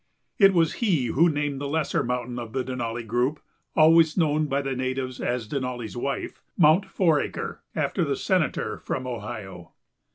It was he who named the lesser mountain of the Denali group, always known by the natives as Denali's Wife, "Mount Foraker," after the senator from Ohio.